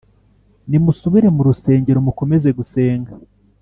nimusubire mu rusengero mukomeze gusenga